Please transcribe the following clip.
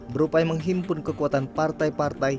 berupaya menghimpun kekuatan partai partai